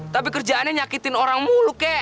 tapi kerjaannya nyakitin orang mulu kek